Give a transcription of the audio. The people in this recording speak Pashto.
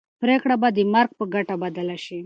پرېکړه به د مرګ په ګټه بدله شي.